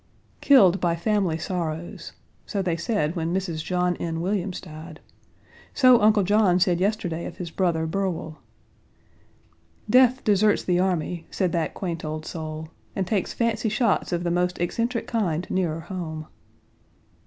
"Killed by family sorrows," so they said when Mrs. John N. Williams died. So Uncle John said yesterday of his brother, Burwell. "Death deserts the army," said that quaint old soul, "and takes fancy shots of the most eccentric kind nearer home."